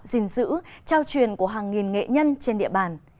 dinh dữ trao truyền của hàng nghìn nghệ nhân trên địa bàn